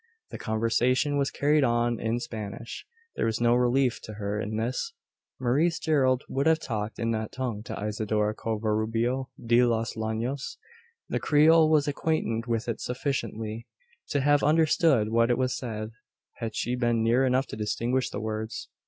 The conversation was carried on in Spanish. There was no relief to her in this. Maurice Gerald would have talked in that tongue to Isidora Covarubio de los Llanos. The Creole was acquainted with it sufficiently to have understood what was said, had she been near enough to distinguish the words.